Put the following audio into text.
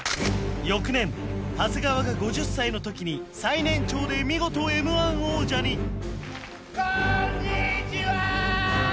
翌年長谷川が５０歳の時に最年長で見事Ｍ−１王者にこんにちは！